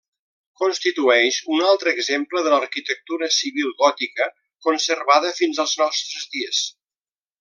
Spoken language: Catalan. Constitueix un altre exemple de l'arquitectura civil gòtica conservada fins als nostres dies.